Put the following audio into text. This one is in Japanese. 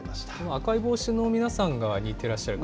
赤い帽子の皆さんが似てらっしゃる？